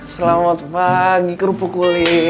selamat pagi kerupuk kulit